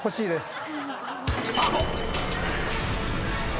［スタート！］